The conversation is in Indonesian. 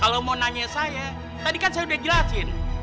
kalau mau nanya saya tadi kan saya udah jelasin